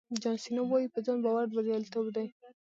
جان سینا وایي په ځان باور بریالیتوب دی.